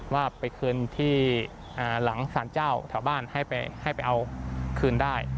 ว่าไปคืนที่หลังสารเจ้าแถวบ้านให้ไปเอาคืนได้